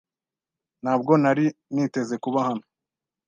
Ntabwo nari niteze kuba hano.